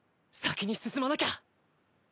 先に進まなきゃ！